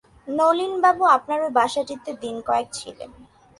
নলিনবাবু আপনার ঐ বাসাটাতেই দিন-কয়েক ছিলেন।